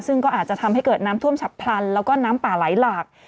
ซึ่งก็อาจจะทำให้เกิดน้ำท่วมฉับพลันแล้วก็น้ำป่าไหลหลาก